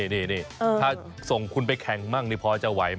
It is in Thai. นี่ถ้าส่งคุณไปแข่งมั่งนี่พอจะไหวไหม